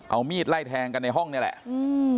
เอามีดไล่แทงกันในห้องนี่แหละอืม